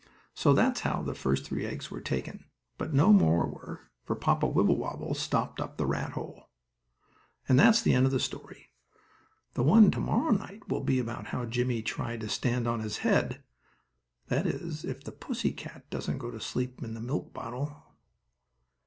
So that's how the first three eggs were taken, but no more were, for Papa Wibblewobble stopped up the rat hole. And that's the end of this story. The one to morrow night will be about how Jimmie tried to stand on his head, that is, if the pussy cat doesn't go to sleep in the milk bottle.